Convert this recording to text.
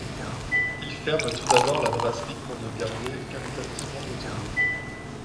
Il ferme tout d’abord la brasserie pour ne garder qu’un établissement hôtelier.